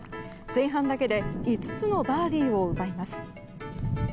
前半だけで５つのバーディーを奪います。